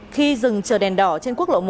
khi dừng chờ đèn đỏ trên quốc lộ một